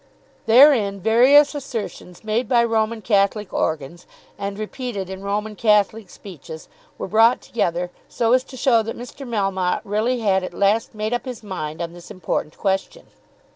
Therein various assertions made by Roman Catholic organs and repeated in Roman Catholic speeches were brought together, so as to show that Mr. Melmotte really had at last made up his mind on this important question.